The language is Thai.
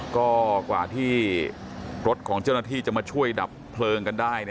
ก็กว่าที่รถของเจ้าหน้าที่จะมาช่วยดับเพลิงกันได้